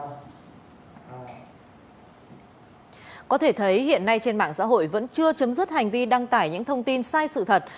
có thể thấy hiện nay trên mạng xã hội vẫn chưa chấm dứt hành vi đăng tải những thông tin sai sự thật